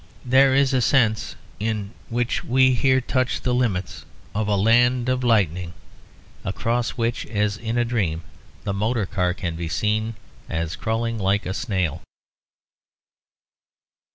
There is a sense in which we here touch the limits of a land of lightning; across which, as in a dream, the motor car can be seen crawling like a snail.